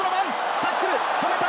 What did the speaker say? タックル止めた。